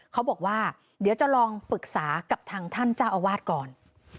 เขาบอกว่าเดี๋ยวจะลองปรึกษากับทางท่านเจ้าอาวาสก่อน